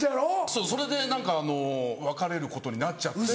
そうそれで何か別れることになっちゃって。